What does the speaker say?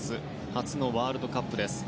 初のワールドカップです。